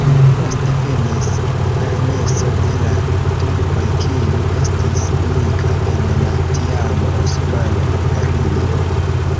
Poste venis permeso de la turkoj, kiu estis unika en la tiama Osmana Imperio.